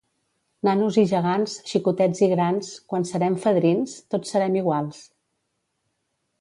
Nanos i gegants, xicotets i grans, quan serem fadrins, tots serem iguals!